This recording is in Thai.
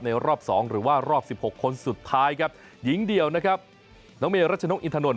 รอบ๒หรือว่ารอบ๑๖คนสุดท้ายครับหญิงเดียวนะครับน้องเมรัชนกอินทนนท